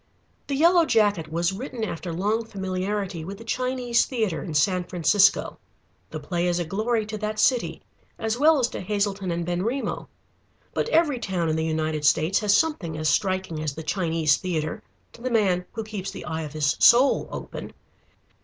The Yellow Jacket was written after long familiarity with the Chinese Theatre in San Francisco. The play is a glory to that city as well as to Hazelton and Benrimo. But every town in the United States has something as striking as the Chinese Theatre, to the man who keeps the eye of his soul open.